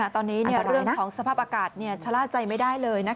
ตอนนี้เรื่องของสภาพอากาศชะล่าใจไม่ได้เลย